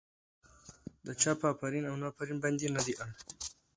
د چا په افرین او نفرين باندې نه دی اړ.